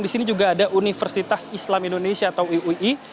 di sini juga ada universitas islam indonesia atau uii